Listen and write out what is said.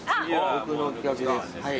僕の企画です。